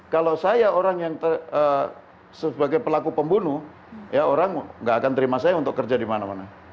kalau saya orang yang sebagai pelaku pembunuh ya orang nggak akan terima saya untuk kerja di mana mana